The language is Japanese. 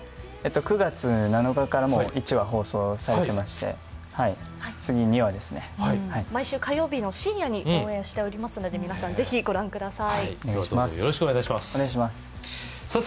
９月７日からもう１話が放送されていまして、毎週火曜日の深夜に放送してますので皆さん、ぜひご覧ください。